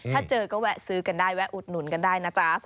ถ้าเจอก็แวะซื้อกันได้แวะอุดหนุนกันได้นะจ๊ะ